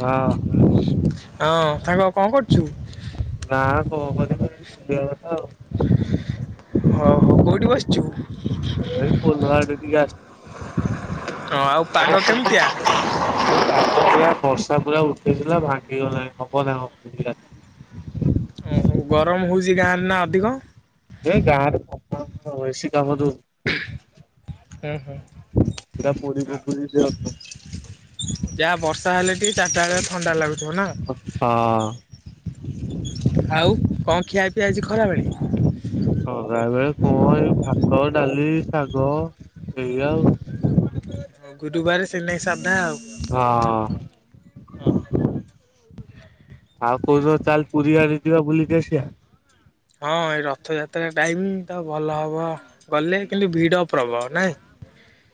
ହଁ। ହଁ। ସାଙ୍ଗ କଣ କରୁଛୁ? ନା କଣ କରିବି ଏଠି ବୁଲିବା କଥା ଆଉ। ହଉ ହଉ କୋଉଠି ବସିଛୁ? ହଁ ଆଉ [inaudible] ପାଗ ବର୍ଷ କେମିତିଆ? ପୁରା ଉଠେଇଥିଲା ଭାଙ୍ଗିଗଲା ହବ ରାତି ଓହୋ ଗରମ ହଉଛି ଗାଁରେ ନା ଅଧିକ ଏ ଗାଁରେ ପ୍ରବଳ ଓଏସି କାମ ଦଉଛନ୍ତି। ହୁଁ ହୁଁ ଫୁପୁରି ହଁ ଯାହା ବର୍ଷା ଚାରିଟା ବେଳିଆ ଥଣ୍ଡା ଲାଗୁ ଜନା ସନ୍ଧ୍ୟା ଆଉ କଣ ଖିଆ ପିଆ କ ଖରାବେଳେ ଖରାବେଳେ କଣ ଏଇ ଭାତ ଡାଲି ଶାଗ ଏଇ ଆଉ। ଗୁରୁବାର ସିଇଥିନାଗି ସାଧା ଆଉ। ହଁ। ଆଉ କୋଉଦିନ ଚାଲ ପୁରୀ ଆଡେ ଯିବା ବୁଲିକି ଆସିବା। ହଁ ଏ ରଥଯାତ୍ରା ଟାଇମ ତ ଭଲ ହବ ଗଲେ କିନ୍ତୁ ଭିଡ ପ୍ରବଳ ନାଇଁ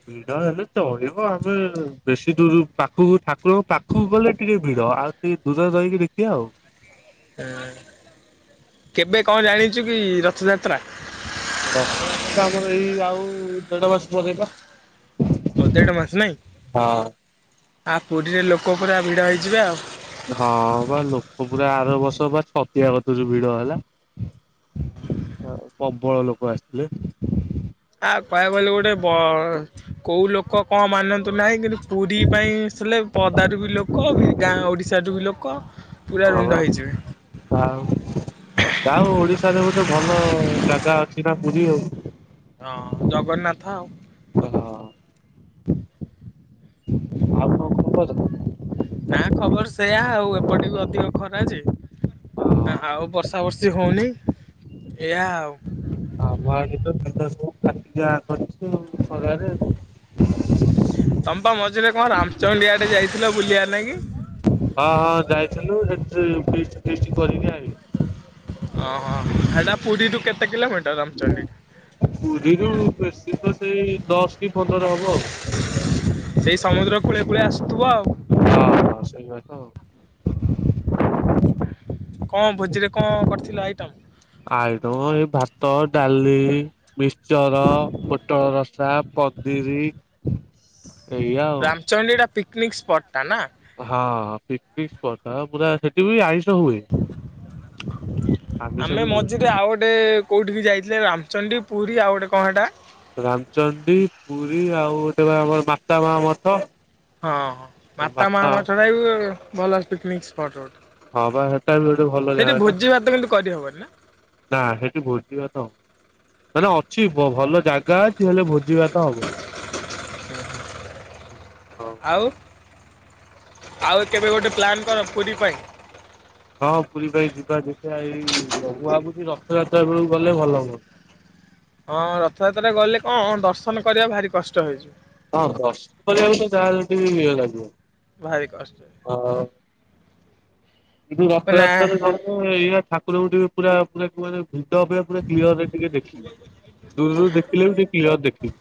ଭିଡ ହେଲେ ଚଳିବ ଏବେ ବେଶୀ ଦୂର ପାଖକୁ ଠାକୁରଙ୍କ ପାଖକୁ ଗଲେ ଟିକେ ଭିଡ ଆଉ ଟିକେ ଦୂରରେ ରହିକି ଦେଖିବା ଆଉ। କେବେ କଣ ଜାଣିଛୁ କି ରଥଯାତ୍ରା? ରଥ ଯାତ୍ରା ଆମର ଏଇ ଆଉ ଦେଢ ମାସେ ପରେପା। ଆଉ ଦେଢ ମାସ ନାଇଁ ଆ ପୁରୀରେ ଲୋକ ପୁରା ଭିଡ ହେଇଯିବେ ଆଉ। ହଁ ବା ଲୋକ ପୁରା ଆର ବର୍ଷ ବା ଛତିଆକତିରୁ ଭିଡ ହେଲା। ପବଳ ଲୋକ ଆସିଥିଲେ। ତ କହିବାକୁ ଗଲେ ଗୋଟେ ବ କଉ ଲୋକ କଣ ମାନନ୍ତୁ ନାହିଁ କିନ୍ତୁ ପୁରୀ ପାଇଁ ଆସିଲେ ପଦାରୁ ବି ଲୋକ ଗାଁ ଓଡ଼ିଶାରୁ ବି ଲୋକ ପୁରା ରୁଣ୍ଡ ହୋଇଯିବେ। ହ ଯାହାହଉ ଓଡିଶାରେ ଗୋଟେ ଭଲ ଜାଗା ଅଛି ନା ପୁରୀ ଆଉ। ହଁ ଜଗନ୍ନାଥ ଆଉ। ହଁ ଆଉ କଣ ଖବର? ନା ଖବର ସେୟା ଆଉ ଏପଟେ ଟିକେ ଖରା ଯେ ଆଉ ବର୍ଷା ବର୍ଷି ହଉନେଇ। ଏଇୟା ଆଉ। ଆଉ ଆମଆଡ଼େ ତ ବିଲ ସବୁ ଫାଟିକି ଆଁ କରିଛି ଆଉ ଖରାରେ। ତମେ ପା ମଝିରେ କଣ ରାମଚଣ୍ଡୀ ଆଡେ ଯାଇଥିଲ ବୁଲିବା ଲାଗି? ହଁ ହଁ ଯାଇଥିଲୁ ସେଠି ଫିଷ୍ଟ୍ ଫିଷ୍ଟ କରିକି ଆଇଲୁ। ଓହୋ ହେଟା ପୁରୀରୁୁ କେତେ କିଲୋମିଟର ରାମଚଣ୍ଡୀ? ପୁରୀରୁ ବେଶୀ ତ ସେଇ ଦଶକି ପନ୍ଦର ହେବ ଆଉ। ସେଇ ସମୁଦ୍ର କୂଳେ କୂଳେ ଆସୁଥିବ ଆଉ ହଁ ସେଇ ବାଟ ଆଉ କଣ ଭୋଜିରେ କଣ କରିଥିଲ ଆଇଟମ? ଆଇଟମ ଏଇ ଭା ଭାତ ଡାଲି ମିଶ୍ଚର ପୋଟଳରସା ପନିର। ରାମଚଣ୍ଡୀଟା ପିକନିକ ସ୍ପଟଟା ନା? ହଁ ପିକନିକ ସ୍ପଟ ପୁରା ସେଠି ବି ଆଇଁଷ ହୁଏ। ଆମିଷ ଆମେ ବି ହୁଏ। ମଝିରେ ଆଉ ଗୋଟେ କୋଉଠିିକି ଯାଇଥିଲେ ରାମଚଣ୍ଡୀ ପୁରୀ ଆଉ ଗୋଟେ କଣ ହେଟା? ରାମଚଣ୍ଡୀ ପୁରୀ ଆଉ ଗୋଟେ ବା ଆମର ମାତା ମା ମଠ। ହଁ ହଁ ମାତା ବାଟ ମା ମଠବି ଭଲ ପିକନିକ ସ୍ପଟ ଗୋ ହଁ ବା ସେଟା ବି ଗୋଟେ ଭଲ ଜାଗାଟା ଭାତ କିନ୍ତୁ କରିହବନି ନା ନା ସେଇଠି ଭୋଜିଭାତ। ମାନେ ଅଛି ଭ-ଭଲ ଜାଗା ଅଛି ହେଲେ ଭୋଜିଭାତ ହବନି। ହଁ ଆଉ ଆଉ କେବେ ଗୋଟେ ପ୍ଲାନ୍ କର ପୁରି ପାଇଁ। ହଁ ପୁରୀ ପାଇଁ ଯିବା ଦେଖିବା ଏଇ [unintelligible] ରଥଯାତ୍ରା ବେଳକୁ ଗଲେ ଭଲ ହୁଅନ୍ତା। ହଁ ରଥଯାତ୍ରା ଗଲେ କଣ ଦର୍ଶନ କରିବା ଭାରି କଷ୍ଟ ହେଇଯିବ। ହଁ କଷ୍ଟ [unintelligible] ଯାହାହେଲେ ଟିକେ ୟେ ଲାଗିବ। ଭାରି କଷ୍ଟ। ହଁ। ନା ରଥଯାତ୍ରାରେ ଏଇ ଠାକୁରଙ୍କୁ ଟିକେ ପୁରା ପୁରା [unintelligible] ଭିଡ଼ ଅପେକ୍ଷା ପୁରା କ୍ଲିଅରରେ ଟିକେ ଦେଖିବି। ଦୂରରୁ ଦେଖିଲେ ବି ଟିକେ କ୍ଲିଅର ଦେଖିବି।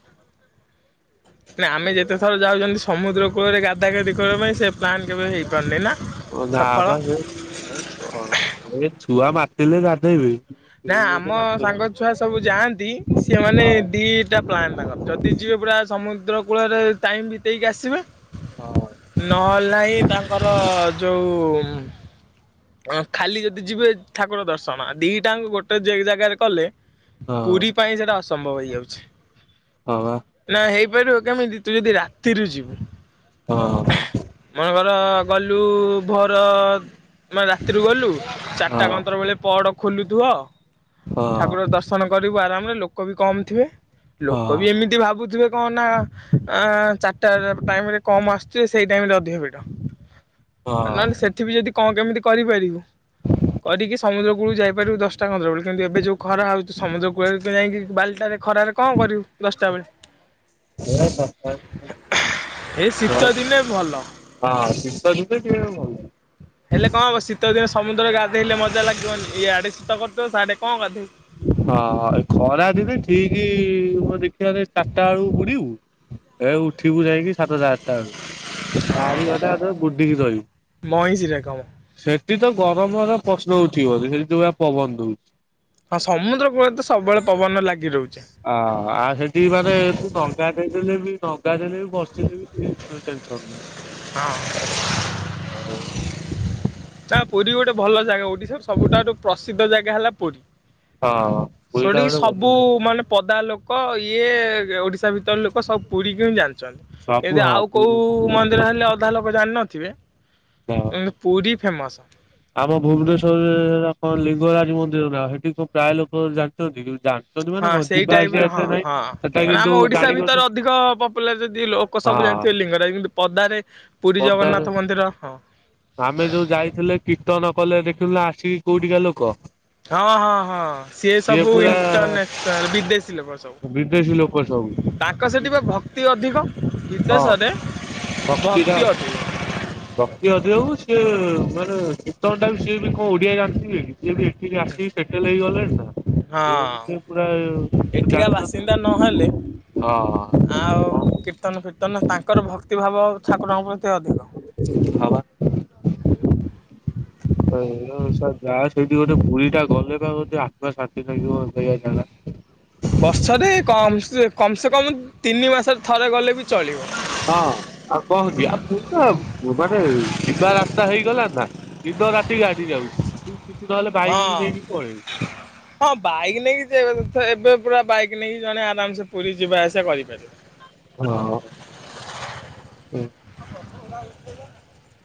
ନା ଆମେ ଯେତେ ଥର ଯାଉଛନ୍ତି। ସମୁଦ୍ର କୂଳରେ ଗାଧାଗାଧି କରିବା ପାଇଁ ସେ ପ୍ଲାନ୍ କେବେ ହେଇପାରୁନି ନା। ନା ସଫଳ ପାସେ [unintelligible] ଛୁଆ ମାତିଲେ ଗାଧେଇବେ। ନା ସେଇ ଆମ ଗୋଟେ ମାତରା ସାଙ୍ଗଛୁଆ ସବୁ ଯାଆନ୍ତି ସେମାନେ ହଁ। ଦିଇଟା ପ୍ଲାନ୍ ତାଙ୍କର ଯଦି ଯିବେ। ପୁରା ସମୁ ସମୁଦ୍ରକୂଳରେ ଟାଇମ ବିତେଇକି ଆସିବେ ହଁ ନହେଲେ ନାହିଁ ତାଙ୍କର ଯୋଉ ଖାଲି ଯଦି ଯିବେ ଠାକୁର ଦର୍ଶନ ଦି ଟାଙ୍କ ଗୋଟେ ଜାଗାରେ କଲେ ହଁ ପୁରୀ ପାଇଁ ସେଟା ଅସମ୍ଭବ ହେଇଯାଉଛି। ହଁ ପା। ନା ହେଇପାରିବ କେମିତି ତୁ ଯଦି ରାତିରୁ ଯିବୁ। ହଁ ହଁ ମନେକର ଗଲୁ ଭୋର ମାନେ ରାତିରୁ ଗଲୁ ହଁ ଚାରିଟା ଖଣ୍ଡ ବେଳେ ପହଡ଼ ଖୋଲୁଥିବ। ଠାକୁର ହଁ। ଦର୍ଶନ କରିବୁ ଆରାମରେ ଲୋକ ବି କମ ଥିବେ ଲୋକ ବି ହଁ ଏମିତି ଭାବୁଥିବେ। କଣ ନା ଅ ଚାରିଟା ଟାଇମରେ କମ ଆସୁଥିବେ ସେଇ ଟାଇମରେ ଅଧିକ ଭିଡ। ହଁ ନହେଲେ ସେଠି ବି ଯଦି କଣ କେମିତି କରିପାରିବୁ। କରିକି ସମୁଦ୍ରକୂଳକୁ ଯାଇପାରିବୁ ଦଶଟା ଖଣ୍ଡକ ବେଳେ କିନ୍ତୁ ଏବେ ଯୋଉ ଖରା ହେଉଛି ସମୁଦ୍ରକୂଳରେ ଯାଇକି ବାଲିଟାରେ ଖରାରେ କଣ କରିବୁ ଦଶଟା ବେଳେ ଏ କଥା ଏ ଶୀତ ଦିନେ ଭଲ ହଁ ଶୀତ ଥିଲେ ଟିକେ ଭଲ। ହେଲେ କଣ ହବ ଶୀତ ଦିନ ସମୁଦ୍ରରେ ଗାଧେଇଲେ ମଜା ଲାଗିବନି ଇଆଡେ ଶୀତ କରିଥିବ ସିଆଡେ କଣ ଗାଧେଇବୁ। ହଁ ଏ ଖରା ଦିନେ ଠିକ ମୋ ଦେଖିବାରେ ଚାରିଟା ବେଳୁ ବୁଡିବୁ। ଏ ଉଠିବୁ ଯାଇକି ସାତଟା ଆଟା ବେଳୁ ଚାରି ଘଣ୍ଟା [unintelligible] ବୁଡିକି ରହିବୁ। ମଇଁଷିରେ କାମ ସେଠି ତ ଗରମର ପ୍ରଶ୍ନ ହଉ [unintelligible] ସେଠି ଯଆ ପବନ ଦ ହଉଛି। ହଁ ସମୁଦ୍ର କୂଳରେ ତ ସବୁବେଳେ ପବନ ଲା ଅ ଆଉ ସେଠି ମାନେ ଡଙ୍ଗା ଦେଇ ଦେଲେ ବି ଡଙ୍ଗା ଦେଲେ ବି ବସ ହଁ। [unintelligible] ନା ପୁରୀ ଗୋଟେ ଭଲ ଜାଗା ଓଡିଶାର ସବୁଠାରୁୁ ପ୍ରସିଦ୍ଧ ଜାଗା ହେଲା ପୁରୀ। ହଁ ପୁରୀଟା ସେଠିକି ଗୋଟେ ବଢିଆ ସବୁ ଜାଗା। ମାନେ ପଦା ଲୋକ ଲୋକ ଇଏ ଓଡିଶା ଭିତରେ ଲୋକ ସବୁ ପୁରୀ କି ହିଁ ଜାନ୍ତି। ସବୁ [unintelligible] ହଁ ଆଉ କୋଉ ପୁରୀ ମନ୍ଦିର ହେଲେ ଅଧା ଲୋକ ଜାଣିନଥିବେ ହଁ। ଏ ପୁରୀ ଫେମସ। ଆମ ଭୁବନେଶ୍ଵରରେ କଣ ଲିଙ୍ଗରାଜ ମନ୍ଦିର ନା ସେଠି କଣ ପ୍ରାୟ ଲୋକ ଜାଣିଛନ୍ତି କି। ଜା ଛନ୍ତି ହଁ ମାନେ କଣ ସେଇ ଯିବା ଟାଇପ ଆସିବା ର ଏତେ ହଁ ନାହିଁ ହଁ ସେଟା ମାନେ କିନ୍ତୁ ଆମ ଓଡିଶା ଜାଣିଛନ୍ତି ଭିତରେ ଅଧିକ ପପୁଲାର ଯଦି ଲୋକ ସବୁ ହଁ। ଜାଣିଥିବେ ଲିଙ୍ଗରାଜ କିନ୍ତୁ ପଦାରେ ପୁରୀ ପଦାରେ ଜଗନ୍ନାଥ ମନ୍ଦିର ହଁ। ଆମେ ଯୋଉ ଯାଇଥିଲେ କୀର୍ତନ କଲେ ଦେଖୁଥିଲେ ଆସିକି କୋଉଠିକା ଲୋକ ହଁ ହଁ ହଁ ସିଏ ସବୁ ଇଣ୍ଟରନାସନାଲ ବିଦେଶୀ ଲେୋକ ବିଦେଶୀ ଲୋକ ସବୁ। ତାଙ୍କ ସେଠି ପା ଭକ୍ତି ଅଧିକ। ହଁ। ବିଦେଶରେ ଭକ୍ତିଟା ଭକ୍ତି ଅଧିକ। ଭକ୍ତି ଅଧିକ ସିଏ ମାନେ କୀର୍ତନ ଟା ବି ସିଏ ବି କଣ ଓଡିଆ ଜାଣିଥିବେ କି। ଯେମିତି ଏଠିକି ଆସିକି ସେଟେଲ ହେଇଗଲେ ହଁ ଏଠିକା ଜାଣିଛନ୍ତି। ବାସିନ୍ଦା ନହେଲେ ହଁ ଆଉ କୀର୍ତ୍ତନ ଫୀର୍ତ୍ତନ ତାଙ୍କର ଭକ୍ତିଭାବ ଠାକୁରଙ୍କ ପ୍ରତି ଅଧିକ। ହଁ ବା। [inaudible] [unintelligible] ସେଇଠି ଗୋଟେ ପୁରୀ ଟା ଗଲେ ବା ଗୋଟେ ଆତ୍ମା ଶାନ୍ତି ଲାଗିବ। [unintelligible] କମ ସେ କମ୍ ତିନି ମାସରେ ଥରେ ଗଲେ ବି ଚଳିବ। ହଁ ଆଉ କଣ ଅଛି ଆଉ ପୁଣି ତ ମାନେ ଯିବା ରାସ୍ତା ହେଇଗଲା। ନା ଦିନ ରାତି ଗାଡି ଯାଉଛି। ନହେଲେ ବାଇକ ବି ହଁ ନେଇକି ପଳେଇବୁ। ହଁ ବାଇକ୍ ନେଇକି [unintelligible] ଏବେ ପୁରା ବାଇକ୍ ନେଇକି ଜଣେ ଆରାମ ସେ ପୁରୀ ଯିବା ଆସେ ହଁ [unintelligible] [unintelligible]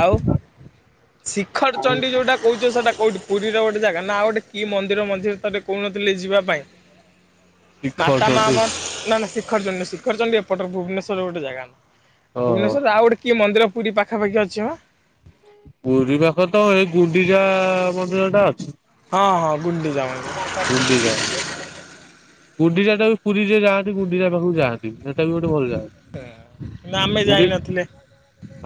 ଆଉ ଶିଖର ଚଣ୍ଡୀ ଯୋଉଟା କହୁଛ ସେଟା କୋଉଠି ପୁରୀର ଗୋଟେ ଜାଗା ନା ଗୋଟେ କି ମନ୍ଦିର ମଝିରେ ଥରେ କହୁନଥିଲେ ଯିବା ପାଇଁ [unintelligible] ଶିଖଉଛନ୍ତି ନା ନା ଶିଖରଚଣ୍ଡୀ ଶିଖରଚଣ୍ଡୀ ଏପଟରେ ଭୁବନେଶ୍ୱର ର ଗୋଟେ ଜାଗା ହଁ। ଭୁବନେଶ୍ୱର ର ଆଉ ଗୋଟେ କି ମନ୍ଦିର ପୁରୀ ପାଖାପାଖି ଅଛି ପା ପୁରୀ ପାଖ ତ ଏଇ ଗୁଣ୍ଡିଚା ମନ୍ଦିର ଟା ଅଛି। ହଁ ହଁ ଗୁଣ୍ଡିଚା ମନ୍ଦିର ଗୁଣ୍ଡିଚା। ଗୁଣ୍ଡିଚାଟା ବି ପୁରୀ ଯେ ଯାଆନ୍ତି ଗୁଣ୍ଡିଚା ପାଖକୁ ଯାଆନ୍ତି। ହେଟା ବି ଗୋଟେ ଭଲ ଯାଗା। ନା ଆମେ ଗୁଣ୍ଡି ଯାଇନଥିଲେ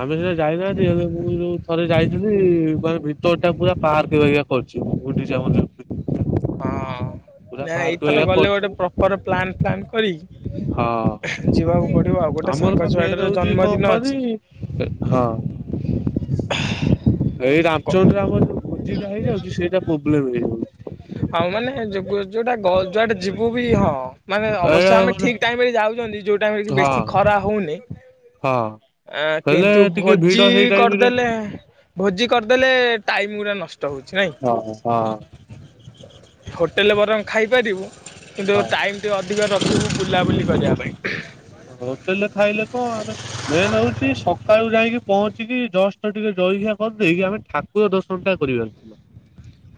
ଆମେ [unintelligible] ଯାଇନାହାନ୍ତି ହେଲେ ମୁଁ ଯୋଉ ଥରେ ଯାଇଥିଲି ମାନେ ଭିତର ଟା ପୁରା ପାର୍କ ଭଳିଆ କରିଚି। ଗୁଣ୍ଡି ହଁ। ପୁରା ନା ପାର୍କ ଏଇଥର ବାଗିଆ ଗଲେ କରିଛି ଗୋଟେ ପ୍ରପର ପ୍ଲାନ ଫ୍ଲାନ କରିକି ହଁ ଯିବାକୁ ପଡିବ ଆଉ। ଗୋଟେ ଆମର ସାଙ୍ଗ ବା ମେନ୍ ଛୁଆଟାର ହଉଛି କଣ ଜନ୍ମଦିନ ଅଛି। କହନି ହଁ ଏଇ ରାମଚଣ୍ଡୀ ରେ ଆମର ଯୋଉ ଭୋଜିଟା ହେଇଯାଉଛି ସେଇଟା ପ୍ରୋବ୍ଲେମ ହେଇଯାଉଛି ଟିକେ। ଆଉ ମାନେ ଯୋଗ ଯୋଉଟା ଗ ଯୁଆଡେ ଯିବୁ ବି ହଁ ମାନେ ଅବଶ୍ୟ ଏଇଟା ଆମେ ମାନେ ଠିକ୍ ଟାଇମ୍ ରେ ଯାଉଛନ୍ତି। ଯୋଉ ଟାଇମ୍ ରେ କି ବେଶୀ ହଁ ଖରା ହଉନି। ହଁ ଆଁ ହେଲେ କିନ୍ତୁ ଟିକେ ଭିଡ ଭୋଜି ହେଇ ଟାଇମରେ କରିଦେଲେ ଭୋଜି କରିଦେଲେ ଟାଇମ ଗୁରା ନସ୍ ହଁ ହଁ। ହୋଟେଲ୍ ବରଂ ଖାଇପାରିବୁ କିନ୍ତୁ ହଁ। ଟାଇମ୍ ଟିକେ ଅ ଧିକ ରଖିବୁ ବୁଲାବୁଲି କରିବା ପାଇଁ। ହୋଟେଲ ରେ ଖାଇଲେ ତ ମେନ ହଉଛି ସକାଳୁ ଯାଇକି ପହଞ୍ଚିକି ଜଷ୍ଟ ଟିକେ ଜଳଖିଆ କରିଦେଇକି ଆମେ ଠା କୁର ଦର୍ଶନଟା କରିବା।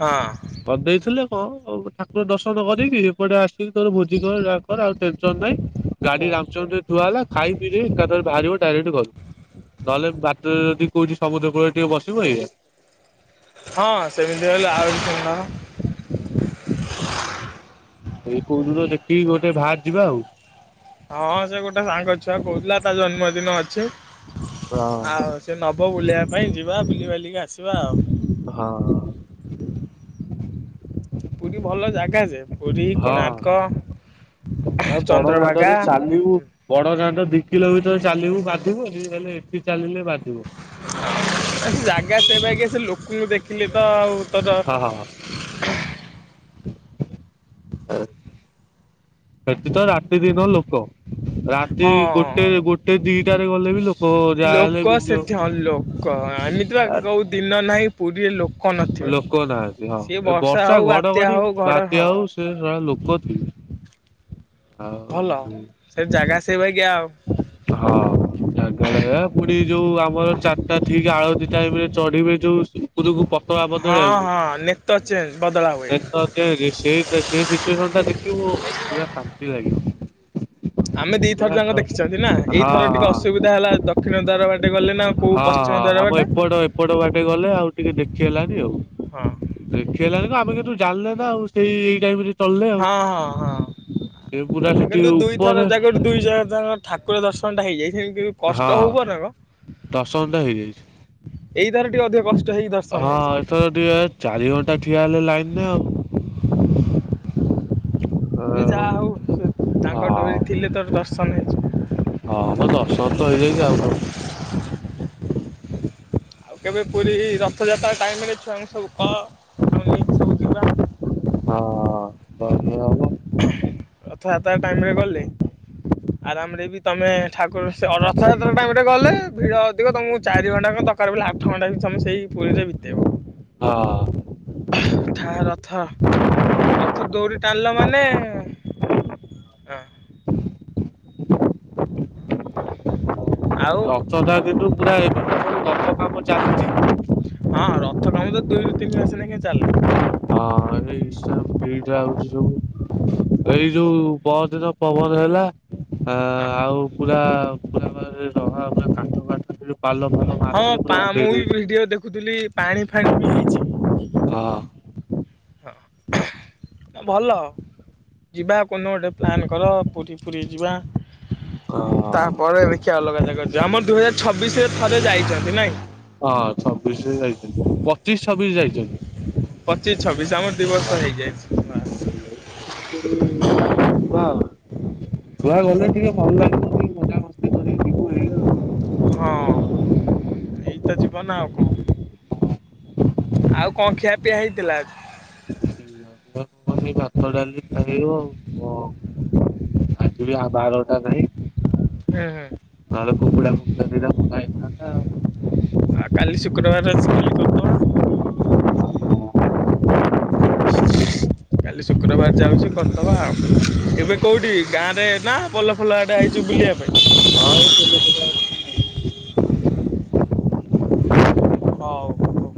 ହଁ କରିଦେଇଥିଲେ ହ‌ଉ ହଉ ଠାକୁର ଦର୍ଶନ କରିକି, ଏପଟେ ଆସିକି ତୋର ଭୋଜି କର, ଯାହା କର ଆଉ ଟେନ୍ସନ୍ ନାହିଁ। ଗାଡି ରାମଚଣ୍ଡିରେ ଥୁଆ ହେଲା। ଖାଇ, ପିଇ ଦେଇକି ଏକାଥରେ ବାହାରିବ ଡାଇରେକ୍ଟ ଘର୍ ନହେଲେ ବାଟରେ ଯଦି କହୁଛି ସମୁଦ୍ର କୂଳରେ ଟିକେ ବସିବ ଏଇଆ। ହଁ ସେମିତି ହେଲେ ଆହୁରି [unintelligible] [inaudible] ଏଇ କୋଉଦିନ ଦେଖିକି ଗୋଟେ ଭାରି ଯିବା ଆଉ। ହଁ ସେ ଗୋଟେ ସାଙ୍ଗ ଛୁଆ କୋହୁଥିଲା ତା ଜନ୍ମଦିନ ଅଛି। ହଁ ଆଉ ସେ ନ ବ ବୁଲିବା ପାଇଁ ଯିବା ବୁଲିବାଲିକି ଆସିବା ଆଉ। ହଁ। ପୁରୀ ଭଲ ଜାଗା ଯେ ପୁରୀ ହଁ, କୋଣାର୍କ ଆଉ ବଡ ଚନ୍ଦ୍ରଭାଗା ଦାଣ୍ଡରେ ଚାଲିବୁ ବଡ ଦାଣ୍ଡ ଦି କିଲୋମିଟର ଚାଲିବୁ ବାଧିବନି। ହେଲେ ଏଠି ଚାଲିଲେ ବାଧି [inaudible] ଆ ଜାଗା ସେଇଆ ପା ଆଗେ ସେ ଲୋକଙ୍କୁ ଦେଖିଲେ ତ ଆଉ ତଦ [inaudible] [inaudible] ଏ ସେଠି ତ ରାତି ଦିନ ଲୋକ। ରାତି ହଁ ଗୋଟେ ଗୋଟେ ଦିଇଟାରେ ଗଲେ ବି ଲୋକ ଯାହାହଲେ ମିନିୟମ ଆ ଏମିତି କୋଉ ଦିନ ନାହିଁ ପୁରୀ ଲୋକ କନଥିବେ ଲୋକ ନାହାନ୍ତି ହଁ ସିଏ ଏ ବର୍ଷା ହୋଉ ବାତ୍ୟା ଘଡଘଡି ହୋଉ ଘଡ ବାତ୍ୟା ହଉ ସେ ଶଳା ଲୋକ ଥିବେ ହଁ ଭଲ ଆଉ ସେ ଜାଗା ସେ ବାଗିଆ ଆଉ। ହଁ। ଜାଗା ଟା ସେଇଆ ପୁଣି ଯୋଉ ଆମର ଚାରିଟା ଠିକ୍ ଆଳତି ଟାଇମ ରେ ଚଢିବେ ଯୋଉ ଉପୁରୁକୁ ପ ତ‌ଆ ହଁ ବଦଳେଇଆକୁ ହଁ ନେତ ଚେଞ୍ଜ ବଦଳା ହୁଏ। ଦେଖ କେମିତି ସେଇ ସେଇ ସିଚୁଏସନ୍ ଟା ଦେଖିବୁ ପୁରା ଶାନ୍ତି ଲାଗିବ। ଆମେ ଦିଇଥର ପୁରା ଯାଙ୍କ ଦେ ଖିଛନ୍ତି ନା ହଁ ଏଇଥର ଟିକେ ହଁ ଅସୁବିଧା ହେଲା। ଦକ୍ଷିଣ ଦ୍ୱାର ବାଟେ ଗଲେ ନା କୋଉ ପଶ୍ଚିମ ଦ୍ୱାର ବାଟେ ଡ଼ ବାଟେ ଗଲେ ଆଉ। ଟିକେ ଦେଖି ହେଲାନି ଆଉ। ହଁ ଦେଖି ହେଲାନି କଣ୍ ଆମେ କିନ୍ତୁ ଜାଣିଲେ ନା ଆଉ ସେଇ ଏଇ ଟାଇମ୍ ରେ ଚଳିଲେ ଆଉ। ହଁ ହଁ ସେ ପୁରା ହଁ ସେଠି କିନ୍ତୁ ଦୁଇଥର ଉପରେ ଜାଗ ଦୁଇ ଜାଗା ଠାକୁର ଦର୍ଶନ ଟା ହେଇଯାଇଛି। କିନ୍ତୁ କଷ୍ଟ ହୋଉ ବରଂ ଲା ହେଇଯାଛି ଏହି ଥର ଟିକେ ଅଧିକ କଷ୍ଟ୍ ହଁ ଏଥର ଟିଏ ଚାରି ଘଣ୍ଟା ଠିଆ ହେଲେ ଲାଇନରେ ଆଉ। ସେ ଆଉ ଯାହା ହୋଉ ତାଙ୍କ ହଁ ଡୋରି ଥିଲେ ତୋର ଦର୍ଶନ ହେଇଛି। ହଁ ମ ଦର୍ଶନ୍ ତ ହେଇଯାଇଛି ଆଉ କଣ ଟେନସ ଆଉ କେବେ ପୁରୀ ରଥଯାତ୍ରା ଟାଇମ୍ ରେ ଛୁଆଙ୍କୁ ସବୁ କ ହଁ ଗଲେ ହବ। ରଥଯାତା ଟାଇମ୍ ରେ ଗଲେ ଆରାମ ରେ ବି ତମେ ଠାକୁର ସେ ଅ ରଥଯାତ୍ରା ଟାଇମରେ ଗଲେ ଭିଡ ଅଧିକ ତମକୁ ଚାରି ଘଣ୍ଟା କଅ ଦରକାର ପଇଲେ ଆଠ ଘଣ୍ଟା ବି ତମେ ସେଇ ପୁରୀ ରେ ବିତେଇବ। ହଁ। ଥା ରଥ ରଥ ଦୌଡ଼ି ଟାଣିଲ ମାନେ ଆଁ। ଆଉ ରଥ ଟା କିନ୍ତୁ ପୁରା ଏବେ ପା ସବୁ ରଥ କାମ ଚାଲିଚି। ହଁ। ରଥ କାମ ତ ଦୁଇରୁ ତିନି ମାସ ଲେଖାଏଁ ଚାଲେ। ହଁ ଏଇ ହିସାବ ଫିଲ୍ଡରେ ଆଉଚି ସବୁ। ଏଇ ଯୋଉ ପହର୍ଦିନ ପବନ ହେଲା ଆ ହଁ ଆଉ ପୁରା ପୁରା [unintelligible] କାଠ ଫାଠ ଫୁଣି ହଁ ପା ମୁଁ ବି ଭିଡିଓ ଦେଖୁଥିଲି ପାଣି ଫାଣି ବି ହେଇଛି। ହଁ। ହଁ ଭଲ ଯିବା କୋଉନ ଗୋଟେ ପ୍ଲାନ୍ କର। ପୁରୀ ପୁରୀ ଯିବା। ହଁ ତାପରେ ଦେଖିଆ ଅଲଗା ଜାଗାକୁ ଯିବା। ଆମର ଦୁଇ ହଜାର ଛବିଶରେ ଥରେ ଯାଇଛନ୍ତି ନାଇଁ। ହଁ ଛବିଶରେ ଯାଇଛନ୍ତି ପଚିଶ ଛବିଶ ଯାଇଛନ୍ତି। ପଚିଶ ଛବିଶ ଆମର ଦୁଇିବର୍ଷ ହେଇଯାଇଛି। ଛୁଆ [inaudible] ଛୁଆ ଗଲେ ଟିକେ ଭଲ ଲାଗିବ କି ମଜା ମସ୍ତି କରି ଯିବୁ ଏଇ ଆଉ। ହଁ ଏଇ ତ ଜୀବନ ଆଉ କଣ? ଆଉ କଣ ଖିଆ ପିଆ ହେଇଥିଲା? [unintelligible] ଭାତ ଡାଲିଲି ଖାଇବ ଆଉ କଣ? ଆଜି ବି ବାହାରଟା ନାଇଁ। ହୁଁ ହୁଁ ନେହେଲେ କୁକୁଡ଼ା। [unintelligible] ଆ କାଲି ଶୁକ୍ରବାର ଅଛି କାଲି କରିଦଉନ। କାଲି ଶୁକ୍ରବାର ଯାଉଛି କରିଦବା ଆଉ। ଏବେ କେଉଁଠି ଗାଁରେ ନା ପୋଲ ଫୋଲ ଆଡେ ଆଇଛ ବୁଲିବା ପାଇଁ? ହୋଉ।